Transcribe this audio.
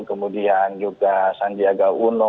kemudian juga sandiaga uno